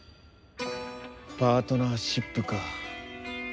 パートナーシップか。